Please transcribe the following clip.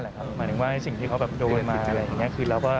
หมายถึงว่าสิ่งที่เขาแบบโดนมาอะไรอย่างนี้